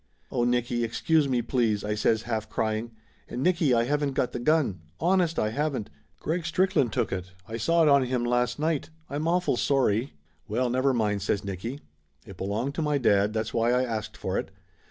"Oh, Nicky, excuse me, please!" I says, half crying. "And, Nicky, I haven't got the gun. Honest, I haven't. Greg Strickland took it. I saw it on him last night. I'm awful sorry." "Well, never mind," says Nicky. "It belonged to my dad, that's why I asked for it.